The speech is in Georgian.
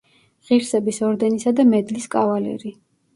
ღირსების ორდენის და მედლის კავალერი.